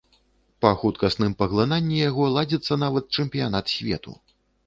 Па хуткасным паглынанні яго ладзіцца нават чэмпіянат свету.